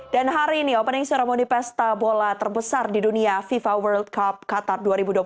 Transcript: dan hari ini opening ceremony pesta bola terbesar di dunia fifa world cup qatar dua ribu dua puluh dua